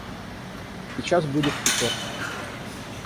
Сейчас будет пятерка.